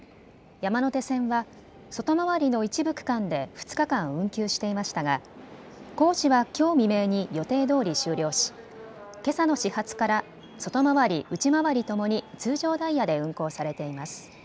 山手線は外回りの一部区間で２日間、運休していましたが工事はきょう未明に予定どおり終了し、けさの始発から外回り、内回りともに通常ダイヤで運行されています。